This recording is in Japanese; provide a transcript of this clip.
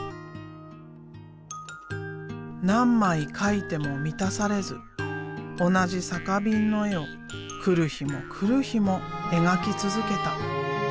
何枚描いても満たされず同じ酒瓶の絵を来る日も来る日も描き続けた。